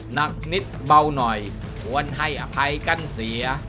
หนักนิดเบาหน่อยควรให้อภัยกันเสีย